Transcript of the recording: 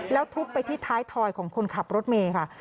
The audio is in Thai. แล้วทุบไปที่ท้ายถอยของคนขับรถเมย์ค่ะ